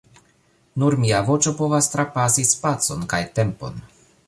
Nur mia voĉo povas trapasi spacon kaj tempon